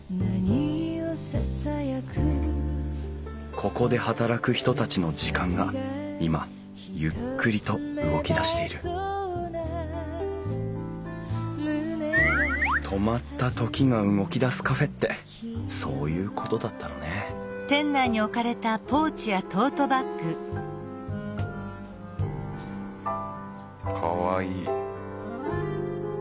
ここで働く人たちの時間が今ゆっくりと動き出している「止まった時が動き出すカフェ」ってそういうことだったのねかわいい。